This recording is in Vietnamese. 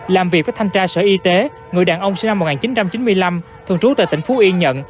làm việc với thanh tra sở y tế người đàn ông sinh năm một nghìn chín trăm chín mươi năm thường trú tại tỉnh phú yên nhận